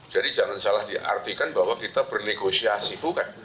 jadi jangan salah diartikan bahwa kita bernegosiasi bukan